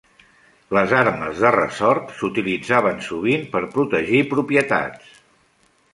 Les armes de ressort s'utilitzaven sovint per protegir propietats.